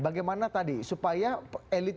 bagaimana tadi supaya elit